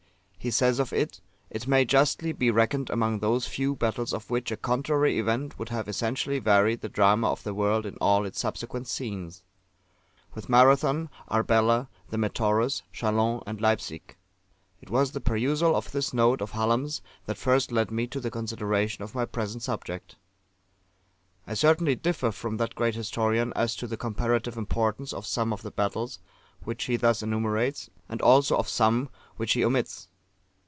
He says of it, that "it may justly be reckoned among those few battles of which a contrary event would have essentially varied the drama of the world in all its subsequent scenes: with Marathon, Arbela, the Metaurus, Chalons, and Leipsic." It was the perusal of this note of Hallam's that first led me to the consideration of my present subject. I certainly differ from that great historian as to the comparative importance of some of the battles which he thus enumerates, and also of some which he omits.